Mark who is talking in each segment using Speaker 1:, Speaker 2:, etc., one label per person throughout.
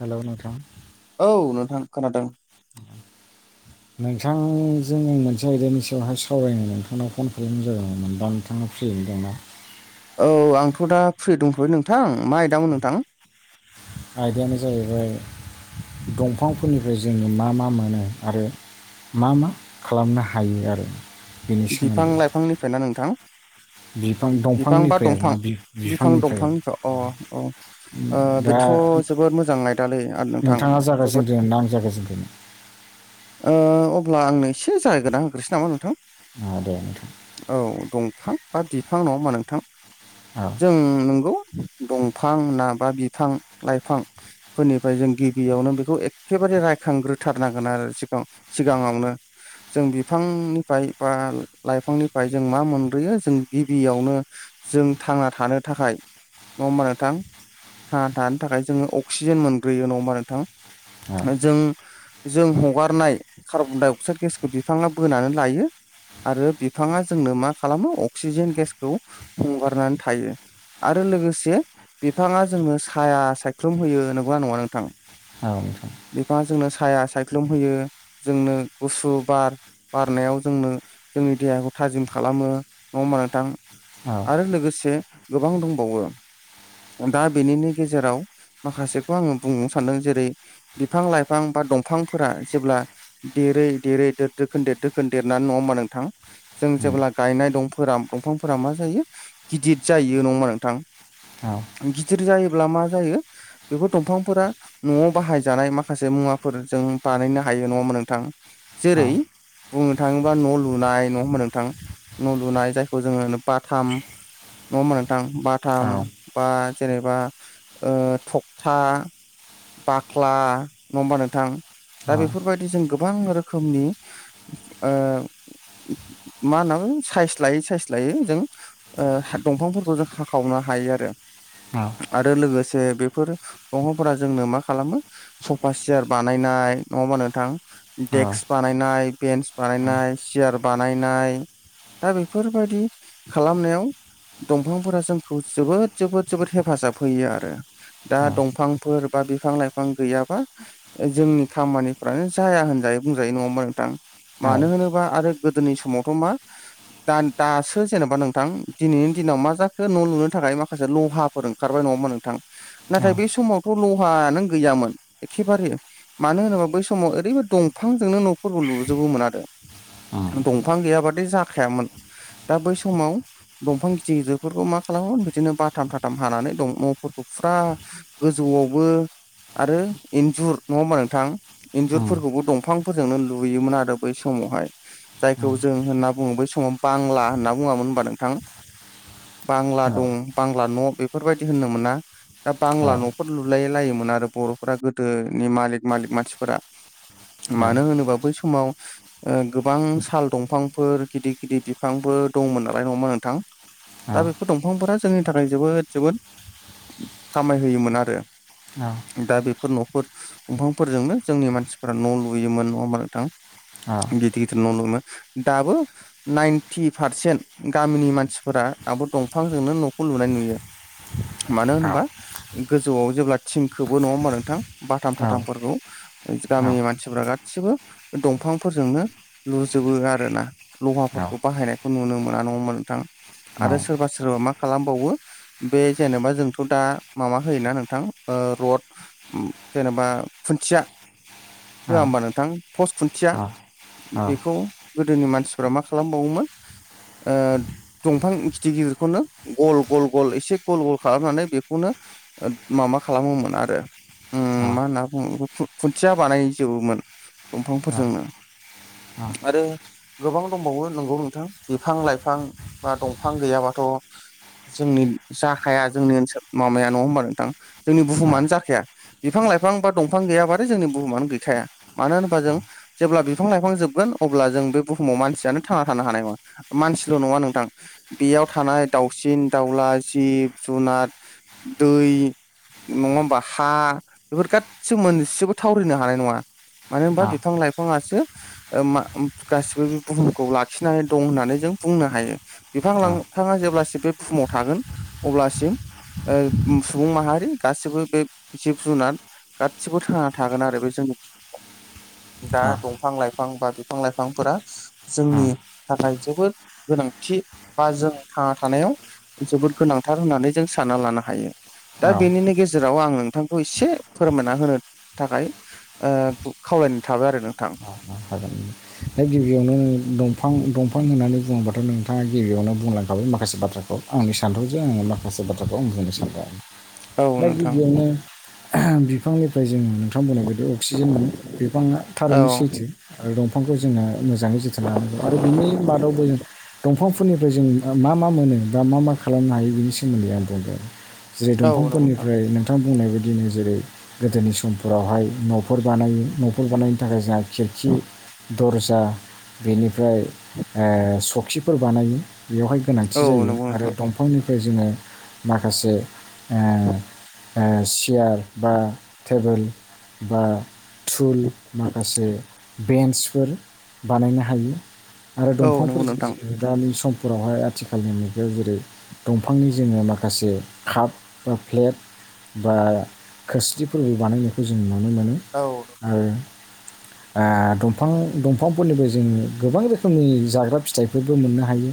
Speaker 1: Hello नोंथां
Speaker 2: औ नोंथां खोनादों
Speaker 1: [unintelligible] नोंथांजों आं मोनसे आयदानि सायावहाय सावरायनो नोंथांनाव फन खालामनाय [unintelligible] [unintelligible] [inaudible]
Speaker 2: औ आंथ' दा फ्रि दंथ'बाय नोंथां मा आइदामोन नोंथां
Speaker 1: आयदायानो जाहैबाय दंफांफोरनिफ्राय जोङो मा मा मोनो आरो मा मा खालामनो हायो आरो बेनि सोमोन्दै
Speaker 2: बिफां लाइफांनिफ्रायना नोंथां
Speaker 1: [inaudible]
Speaker 2: बिफां बा
Speaker 1: दंफांनिफ्राय
Speaker 2: दंफां
Speaker 1: आरोना
Speaker 2: बिफां
Speaker 1: बिफांनिफ्राय
Speaker 2: दंफां [unintelligible] अ औ
Speaker 1: दा
Speaker 2: बेथ' जोबोद मोजां नायदालै आरो नोंथां
Speaker 1: नोंथाङा
Speaker 2: जोबोद
Speaker 1: जागायजेनग्रोनो ना आं जागायजेनग्रोनो
Speaker 2: ओ अब्ला आंनो एसे जागायग्रोना होग्रोसै नामा नोंथां
Speaker 1: दे दे [unintelligible]
Speaker 2: औ दंफां बा बिफां नङा होमा नोंथां
Speaker 1: औ
Speaker 2: जों नंगौ दंफां ना बा बिफां लाइफां फोरनिफ्राय जों गिबियावनो बेखौ एखेबारे रायखांग्रोथारनांगोन आरो सिगां सिगाङावनो जों बिफांनिफ्राय बा लाइफांनिफ्राय जों मा मोनब्रोयो जों गिबियावनो जों थांना थानो थाखाय नङा होमबा नोंथां थांना थानो थाखाय जोङो अक्सिजेन मोनग्रोयो नङा हबा
Speaker 1: औ
Speaker 2: नोंथां जों जों हगारनाय कार्बनडाइ अक्साइड गेसखौ बिफाङा बोनानै लायो आरो बिफाङा जोंनो मा खालामो अक्सिजेन गेसखौ हगारनानै थायो आरो लोगोसे बिफाङा जोंनो साया सायख्लुम होयो नोंगोना नङा नोंथां
Speaker 1: औ नोंथां
Speaker 2: बिफाङा जोंनो साया सायख्लुम होयो जोंनो गुसु बार बारनायाव जोंनो जोंनि देहाखौ थाजिम खालामो नङा होमबा नोंथां
Speaker 1: औ
Speaker 2: आरो लोगोसे गोबां दंबावो दा बेनिनि गेजेराव माखासेखौ आङो बुंनो सानदों जेरै बिफां लाइफां बा दंफांफोरा जेब्ला देरै देरै देर दोखोन देर दोखोन देरना नङास होनबा नों नोंथां जों
Speaker 1: उम
Speaker 2: जेब्ला गायनाय दंफोरा दंफांफोरा मा जायो गिदिर जायो नङा नोंथां
Speaker 1: औ
Speaker 2: गिदिर जायोब्ला मा जायो बेफोर दंफांफोरा न'आव बाहायजानाय माखासे मुवाफोरजों बानायनो हायो नङामोन नोंथां
Speaker 1: औ
Speaker 2: जेरै बुंनो थाङोबा न' लुनाय न' होना नोंथां न' लुनाय जायखौ जोङो बाथाम नङा मोन नोंथां
Speaker 1: औ
Speaker 2: बाथाम बा जेनेबा थखथा बाख्ला नङा होमबा नोंथां
Speaker 1: औ
Speaker 2: दा बेफोरबायदि जों गोबां रोखोमनि ओ मा होनना साइस लायै साइस लायै जों दंफांफोरखौ जों हाखावनो हायो आरो
Speaker 1: औ
Speaker 2: आरो लोगोसे बेफोर दंफांफोरा जोंनो मा खालामो सफा सियार बानायनाय नङाबा नोंथां
Speaker 1: औ
Speaker 2: देक्स बानायनाय बेन्स बानायनाय सियार बानायनाय दा बेफोरबायदि खालामनायाव दंफांफोरा जोंखौ जोबोद जोबोद जोबोद हेफाजाब होयो आरो दा दंफांफोर बा बिफां लाइफां गैयाबा जोंनि खामानिफ्रानो जाया होनजायो बुंजायो नङा होमबा नोंथां
Speaker 1: औ
Speaker 2: मानो होनोब्ला आरो गोदोनि समावथ' मा दा दासो जेन'बा नोंथां दिनैनि दिनाव मा जाखो न' लुनो थाखाय माखासे लहा फोर ओंखारबाय नङामोन नोंथां
Speaker 1: औ
Speaker 2: नाथाय बे समावथ' लहानो गैयामोन एखेबारे मानो होनोबा बै समाव ओरैब दंफांजोंनो न'फोरखौ लुजोबोमोन आरो
Speaker 1: उम
Speaker 2: दंफां गैयाबादि जाखायामोन दा बै समाव दंफां गिदिर गिदिरफोरखौ मा खालामोमोन बिदिनो बाथाम थाथाम हानानै न'फोरखौ फुरा गोजौआवबो आरो इन्जुर नङा होमबा नोंथां
Speaker 1: हागोन
Speaker 2: इन्जुरफोरखौबो दंफांफोरजोंनो लुयोमोन आरो बैस समावहाय जायखौ जों होनना बुङो बै समाव बांला होनना बुङामोन होनबा नोंथां बांला दं बांला न' बेफोरबायदि होननो मोना दा बांला न'फोर लुलाय लायोमोन आरो बर'फोरा गोदोनि मालिक मालिक मानसिफोरा
Speaker 1: दा
Speaker 2: मानो होनोबा बै समाव गोबां साल दंफांफोर गिदिर गिदिर बिफांफोर दंमोन नालाय नङा होमबा नोंथां दा बेफोर दंफांफोरा जोंनि थाखाय जोबोद जोबोद खामाय होयोमोन आरो
Speaker 1: औ
Speaker 2: दा बेफोर न'फोर दंफांफोरजोंनो जोंनि मानसिफोरा न' लुयोमोन नङा होनबा नोंथां गिदिर गिदिर न' लुोयोमोन दाबो नाइनटि पारसेन्ट गामिनि मानसिफोरा आो दंफांजोंनो न'खौ लुनाय नुयो
Speaker 1: [inaudible]
Speaker 2: मानो होनोबा गोजौआव जेब्ला थिंखोबो नङा होमबा नोंथां बाथाम फाथामफोरखौ गामिनि मानसिफोरा गासिबो दंफां फोरजोंनो लुजोबो आरो ना लहाफोरखौ बाहायनायखौ नुनो मोना नङा होनबा नोंथां आरो सोरबा सोरबा मा खालामबावो बे जेनेबा जोंथ' दा माबा होयोना नोंथां रड जेनेबा खुन्थिया होआ होमबा नोंथां पस्ट खुन्थिया बेखौ गोदोनि मानसिफोरा मा खालामबावोमोन दंफां गिथिर गिदिरखौनो गल गल गल एसे गल गल खालामनानै बेखौनो माबा खालामोमोन आरो मा होनना बुङो बेखौ खुन खुन्थिया बानायजोबोमोन दंफांफोरजोंनो आरो गोबां दंबावो नंगौ नोंथां बिफां लाइफां बा दंफां गैयाबाथ' जोंनि जाखाया जोंनि ओनसोल माबाया नङा होनोमबा नोंथां जोंनि बुहुमानो जाखाया बिफां लाइफां बा दंफां गैयाबाथाय जोंनि बुहुमानो गैखाया मानो होनोबा जों जेब्ला बिफां लाइफां जोबगोन अब्ला जों बे बुहुमाव मानसियानो थांना थानो हानाय नङा मानसिल' नङा नोंथां बेयाव थानाय दाउसिन दाउला जिब जुनार दै नङा होमबा हा बेफोर गाससिबो मोनसेबो थावरिनो हानाय नङा मानो होनबा बिफां लाइफाङासो ओ मा गासिबो बे बुहुमखौ लाखिनानै दं होननानै जों बुंनो हायो बिफां लाांफाङा जेब्लासिम बे बुहुमाव थागोन अब्लासिम ओ सुबुं माहारि गासिबो बे जिब जुनार गासिबो थांना थागोन आरो बे जोंनि दा दंफां लाइफां बा बिफां लाइफांफोरा जोंनि थाखाय जोबोद गोनांथि बा जों थांना थानायाव जोबोद गोनांथार होननानै जों सानना लानो हायो दा बेनिनो गेजेराव गेजेराव आं नोंथांखौ एसे फोरमायना होनो थाखाय खावलायनो थाबाय आरो नोंथां
Speaker 1: हागोन दा गिबियावनो दंफां दंफां होननानै बुङोबाथ' नोंथाङा गिबियावनो बुंलांखाबाय माखासे बाथ्राखौ आंनि सान्थौजों आङो माखासे बाथ्राखौ आ बुंनो सानबाय
Speaker 2: औ
Speaker 1: दा
Speaker 2: नोंथां
Speaker 1: गिबियावनो बिफांनिफ्राय जोंङो नुनो नोंथां बुंनायबादि अक्सिजेन मोनो बिफाङा
Speaker 2: औ
Speaker 1: थारैनो सैथो आरो दंफांखौ जोंना मोजाङै जोथोन लानांगौ आरो बिनि मादावबो जों दंफांफोरनिफ्राय जों मा मा मोनो बा मा मा खालामनो हायो बिनि सोमोन्दै आं बुंदों जेरै दंफांफोरनिफ्राय नों नोंथां बुंनाय बायदिनो जेरै गोदोनि समफोरावहाय न'फोर बानायो न'फोर बानायनो थाखाय जोंहा खि खि दर्जा बेनिफ्राय सखिफोर बानायो बेवहाय गोनांथि
Speaker 2: औ
Speaker 1: जायो
Speaker 2: नंगौ
Speaker 1: आरो
Speaker 2: नोंथां
Speaker 1: दंफांनिफ्राय जोङो माखासे
Speaker 2: ब [inaudible]
Speaker 1: सियार बा टेबोल बा थुल माखासे बेन्सफोर बानायनो हायो आरो
Speaker 2: औ नंगौ
Speaker 1: दंफांफोरजों
Speaker 2: नोंथां
Speaker 1: जो दानि सम फोरावहाय आथिखालनि मुगायाव जेरै दंफांनि जोङो माखासे काप बा प्लेट बा खोरस्लिफोरबो बानायनायखौ जों नुनो मोनो
Speaker 2: औ
Speaker 1: आरो दंफां दंफांफोरनिबो जों गोबां रोखोमनि जाग्रा फिथाइफोरबो मोननो हायो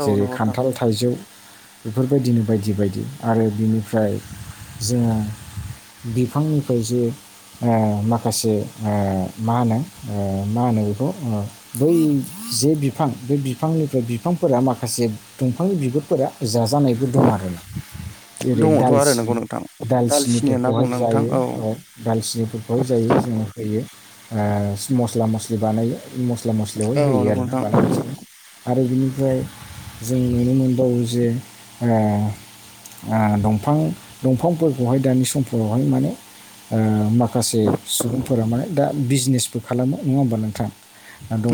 Speaker 2: औ
Speaker 1: जेरै
Speaker 2: नंगौ नोंथां
Speaker 1: खान्थाल थाइजौ बेफोरबायदिनो बायदि बायदि आरो बिनिफ्राय जोङो बिफांनिफ्राय जे माखासे ओ मा होनो मा होनो बेखौ बै जे बिफां बे बिफांनिफ्राय बिफांफोरा माखासे दंफांनि बिगुरफोरा जाजानायबो दं आर ना जेरै
Speaker 2: दङथ' आरो
Speaker 1: दालसिन
Speaker 2: नंगौ नोंथां दालसिनि होनना
Speaker 1: दालसिनिफोरखौहाय
Speaker 2: बुङो नोंथां
Speaker 1: जायो औ दालसिनिफोरखौहाय जायो जोङो होयो मस्ला मस्लि बानायो मस्ला मस्लियावहाय
Speaker 2: औ
Speaker 1: होयो
Speaker 2: नंगौ
Speaker 1: आर ना
Speaker 2: नोंथां
Speaker 1: बानायोजोंनो आरो बिनिफ्राय जों नुनो मोनबावो जे दंफां दंफांफोरखौहाय दानि समफोरावहाय माने माखासे माखासे सुबुंफोरा माने दा बिजनेसबो खालामो नङा होमबा नोंथां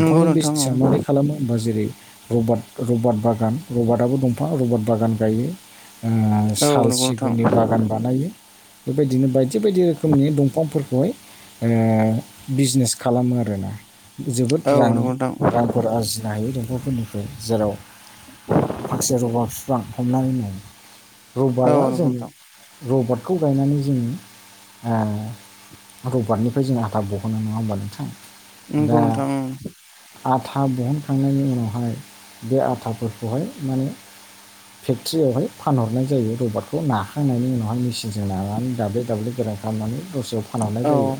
Speaker 2: नंगौ नोंथां औ
Speaker 1: बिजनेसा मारै खालामो होमबा जेरै रब रबट बागान रबारटआबो दंफा रबट बागान गायो
Speaker 2: औ
Speaker 1: साल
Speaker 2: नंगौ
Speaker 1: सिगुननि
Speaker 2: नोंथां
Speaker 1: बागान बानायो बेबायदिनो बायदि बायदि रोखोमनि दंफांफोरखौहाय बिजनेस खालामो आरोना जोबोद
Speaker 2: औ
Speaker 1: रां
Speaker 2: नंगौ नोंथां
Speaker 1: रां फोर आरजिनो हायो दडखरफोरनिफ्राय जेराव फाखसे रबा बिफां हमनानै मावो
Speaker 2: औ
Speaker 1: रबाया
Speaker 2: नंगौ
Speaker 1: जों
Speaker 2: नोंथां
Speaker 1: रबारटखौ गायनानै जों रबारटनि बे जों हाथा बहननो नङा होमब नोंथां
Speaker 2: नंगौ
Speaker 1: दा
Speaker 2: नोंथां
Speaker 1: आथा दिहनखांनायनि उनावहाय बे आथाफोरखौहाय माने फेक्ट्रियावहाय फानहरनाय जायो रबारखौ नाखांनायनि उनावहाय मेसिनजों लानानै दाब्ले दाब्ले गोरान खालामनानै दस्रायाव फानहरनाय जायो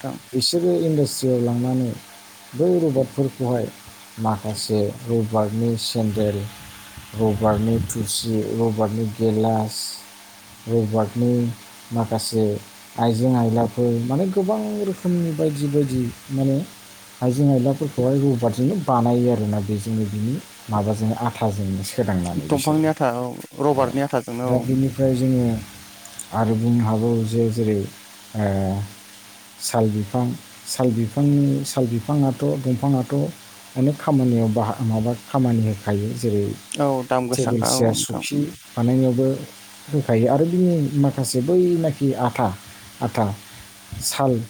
Speaker 2: थ
Speaker 1: बिसोरो इन्डास्ट्रियाव लांनानै बै रबादफोरखौहाय माखासे रबार्टनि सेन्देल रबार्टनि थुसि रबारटनि गेलास रबार्कनि माखासे आइजें आइलाफोर माने गोबां रोखोमनि बायदि बायदि माने आइजें आइलाफोरखौहाय रबारजोंनो बानायो आरोना बेजोंनो बिनि माबाजोंनो आथाजोंनो सोदांनानै बिसोरो
Speaker 2: दंफांनि आथा औ रबारटनि आथाजोंनो
Speaker 1: दा बेनि ओमफ्राय जोङो आरो बुंनो हागौ जे जेरै साल बिफां साल बिफांनि साल बिफाङाथ' दंफाङाथ' अनेख खामानियाव बाह माबा खामानि होखायो जेरै
Speaker 2: औ दाम
Speaker 1: टेबोल
Speaker 2: गोसाखा औ
Speaker 1: सियार
Speaker 2: नोंथां
Speaker 1: सफि बानायनायावबो होखायो आरो बिनि माखासे बैनाखि आथा आथा साल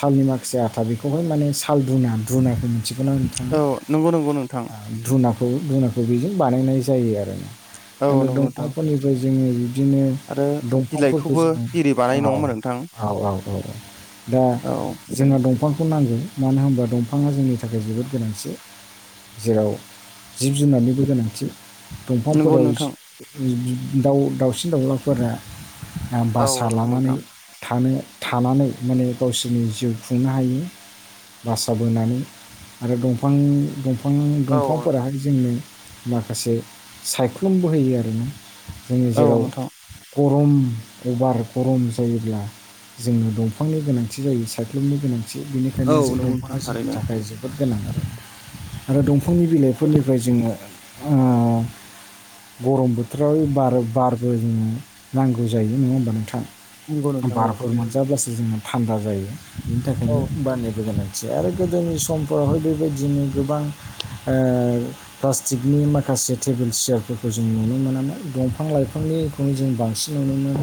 Speaker 1: सालनि माखासे आथा बेखौहाय माने साल रुना रुनानायखौ मिथिगौोन आं होन
Speaker 2: औ नंगौ नंगौ नोंथां
Speaker 1: धुनाखौ धुनाखौ बेजों बानायनाय जायो आरो ना
Speaker 2: औ
Speaker 1: आरो
Speaker 2: नंगौ नोंथां
Speaker 1: दंफांफोरनिफ्राय जोङो बिदिनो
Speaker 2: आरो
Speaker 1: दंफांफोरखौ
Speaker 2: बिलाइखौबो
Speaker 1: जो
Speaker 2: बिरि
Speaker 1: औ
Speaker 2: बानायो नङा होमबा नोंथां
Speaker 1: औ औ औ औ दा
Speaker 2: औ
Speaker 1: जोंना दंफांखौ नांगौ मानो होनबा दफां बिफाङा जोंनि थाखाय जोबोद गोनांथि जेराव जिब जुनारनिबो गोनांथि
Speaker 2: नंगौ
Speaker 1: दंफांफोराव
Speaker 2: नोंथां
Speaker 1: बिदि दउ दाउसिन दाउलाफोरा
Speaker 2: औ
Speaker 1: भासासा
Speaker 2: नंगौ
Speaker 1: लानानै
Speaker 2: नोंथां
Speaker 1: थानो थानानै माने गावसोरनि जिउ खुंनो हायो बास बोनानै आरो दंफांफ दफां
Speaker 2: औ
Speaker 1: दंफांफोराह
Speaker 2: नोंथां
Speaker 1: जोंनो माखासे सायख्लुमबो होयो आरो ना जोंनि
Speaker 2: औ
Speaker 1: जेराव
Speaker 2: नोंथां
Speaker 1: गरम अभार गरम जायोब्ला जोंनो दंफांनि गोनांथि जायो सायख्लुमनि गोनांथि
Speaker 2: औ
Speaker 1: बेनिखायनो
Speaker 2: नंगौ नोंथां
Speaker 1: दंफाङा जोंनि
Speaker 2: थारैनो
Speaker 1: थाखाय जों जोबोद गोनां आरो आरो दंफांनि बिलाइफोरनिफ्राय जोङो गरम बोथोराव बार बारबो जोङो नांगौ जायो नङा होमबा नोंथां
Speaker 2: नंगौ नोंथां औ
Speaker 1: बोरमा जाब्लासो जोङो थान्दा जायो बिनि
Speaker 2: औ
Speaker 1: थाखायनो बानायबो जानाय आरो गोदोनि समफोरावहाय बेबायदिनो गोबां ओ प्लास्टिकनि माखासे टेबोल सियारफोरखौ जों नुनो मोनामोन दंफां लाइफांनि खौनो जों बांसिन नुनोमोनोमोन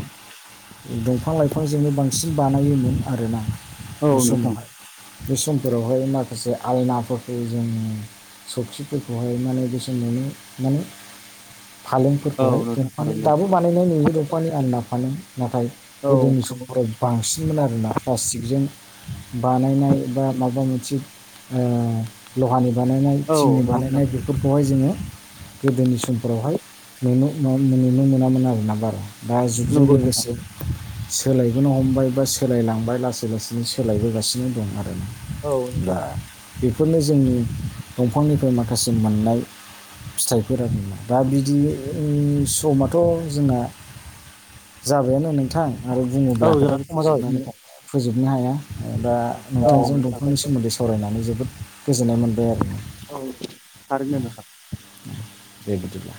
Speaker 1: दंफां लाइफां जोङो बांसिन बानायोमोन आरोना बे
Speaker 2: औ नोंथां
Speaker 1: समावहाय । बे समफोरावहाय माखासे आलनाफोरखौ जोङो सखिफोरखौहाय माने बेसेनानै माने
Speaker 2: औ
Speaker 1: फालेंफोरखौहाय
Speaker 2: नोंथां
Speaker 1: दंफानि
Speaker 2: थारैनो
Speaker 1: दाबो बानायनाय नुयो दंफानि आलना फालें नाथाय
Speaker 2: औ
Speaker 1: गोदोनि
Speaker 2: नंगौ
Speaker 1: समफोराव बांसिनमोन आरोना प्लास्टिकजों बानायनाय बा माबा मोनसे ओ लहानि बानायनाय
Speaker 2: औ
Speaker 1: थिंनि
Speaker 2: नंगौ नोंथां
Speaker 1: बानायनाय बेफोरखौहाय जोङो गोदोनि समफोरावहाय नुनो मोनामोन आरोना बारा दा जुगजों
Speaker 2: नंगौ नोंथां
Speaker 1: लोगोसे सोलायबोनो हमबाय बा सोलायलांबाय लासै लासैनो सोलायबोगासिनो दं आरो ना
Speaker 2: औ
Speaker 1: ।
Speaker 2: नंगौ
Speaker 1: दा बेफोरनो जोंनि दंफांनिफ्राय माखासे मोननाय फिथाइफोर आरो ना दा बिदि समथ' जोंना जाबायानो नोंथां । आरो बुङोब्ला
Speaker 2: औ जोंना
Speaker 1: खोथाखौ
Speaker 2: समा जाबायमोन
Speaker 1: फोजोबनानै
Speaker 2: नोंथां
Speaker 1: फोजोबनो हाया दा
Speaker 2: औ
Speaker 1: नोंथांजों
Speaker 2: नोंथां
Speaker 1: दंफांनि सोमोन्दै सवरायनानै जोबोद गोजोननाय मोनदों ।
Speaker 2: औ थारैनो नोथां
Speaker 1: दे बिदिब्ला